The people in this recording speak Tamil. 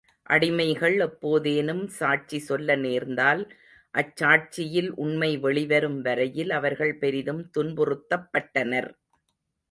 அடிமைகள் எப்போதேனும் சாட்சி சொல்ல நேர்ந்தால் அச்சாட்சியில் உண்மை வெளிவரும் வரையில் அவர்கள் பெரிதும் துன்புறுத்தப்பட்டனர்.